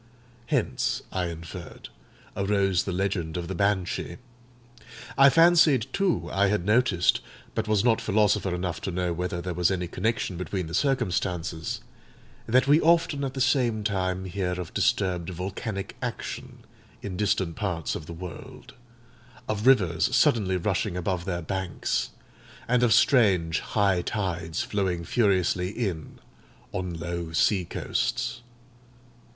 Hence, I inferred, arose the legend of the Banshee. I fancied, too, I had noticed—but was not philosopher enough to know whether there was any connection between the circumstances—that we often at the same time hear of disturbed volcanic action in distant parts of the world; of rivers suddenly rushing above their banks; and of strange high tides flowing furiously in on low sea coasts.